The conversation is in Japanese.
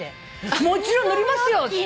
もちろん乗りますよって。